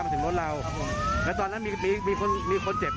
คนขับรถกระบาดใช่ไหม